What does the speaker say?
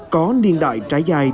có niên đại trái dài